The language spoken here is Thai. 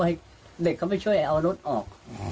ให้เด็กเขาไปช่วยเอารถออก